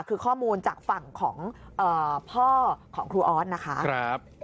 คือข้อมูลจากฝั่งของพ่อของครูออสนะคะ